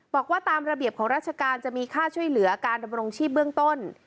บอกว่าตามระเบียบของราชการจะมีค่าช่วยเหลือการดำรงชีพเบื้องต้น